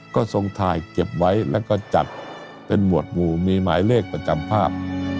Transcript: ก็ทรงถ่ายเก็บไว้แล้วก็จัดเป็นหมวดหมู่มีหมายเลขประจำภาพ